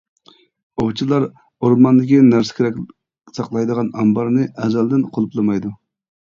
ئوۋچىلار ئورماندىكى نەرسە-كېرەك ساقلايدىغان ئامبارنى ئەزەلدىن قۇلۇپلىمايدۇ.